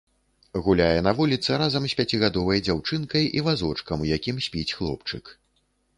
Гуляе на вуліцы разам з пяцігадовай дзяўчынкай і вазочкам, у якім спіць хлопчык.